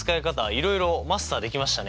いろいろマスターできましたね。